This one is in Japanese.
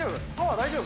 大丈夫？